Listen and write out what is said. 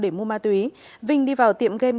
để mua ma túy vinh đi vào tiệm game